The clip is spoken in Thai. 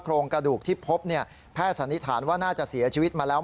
โครงกระดูกที่พบเนี่ยแพทย์สันนิษฐานว่าน่าจะเสียชีวิตมาแล้ว